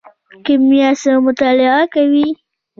کیمیا څه مطالعه کوي؟